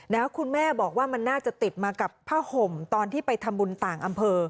แล้วคุณแม่บอกว่ามันน่าจะติดมากับผ้าห่มตอนที่ไปทำบุญต่างอำเภอ